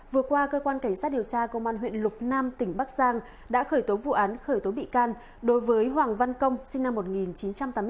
vừa qua cơ quan cảnh sát điều tra công an huyện lục nam tỉnh bắc giang đã khởi tố vụ án khởi tố bị can đối với hoàng văn công sinh năm một nghìn chín trăm tám mươi bốn